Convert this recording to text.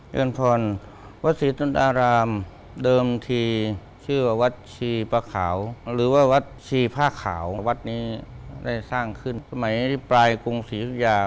เรือนพรวัดศรีตุนอารามเดิมทีชื่อว่าวัดชีปะขาวหรือว่าวัดชีผ้าขาววัดนี้ได้สร้างขึ้นสมัยปลายกรุงศรียุธยา